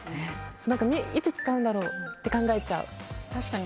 いつ使うんだろうって考えちゃう。